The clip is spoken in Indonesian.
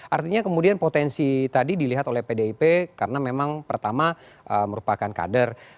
artinya kemudian potensi tadi dilihat oleh pdip karena memang pertama merupakan kader